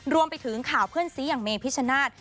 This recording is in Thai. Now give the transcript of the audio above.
รวมไปถึงข่าวเพื่อนซีอย่างเมพิชชนาธิ์